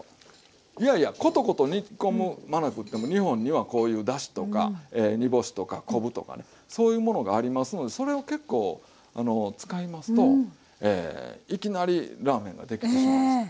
いやいやコトコト煮込まなくっても日本にはこういうだしとか煮干しとか昆布とかねそういうものがありますのでそれを結構使いますといきなりラーメンができてしまうんですね。